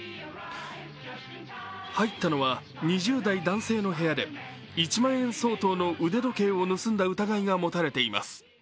入ったのは２０代男性の部屋で１万円相当の腕時計を盗んだ疑いが持たれています。